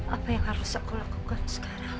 apa yang harus aku lakukan sekarang